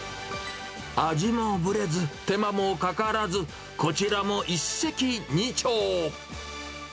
味がぶれず、手間もかからず、こちらも一石二鳥。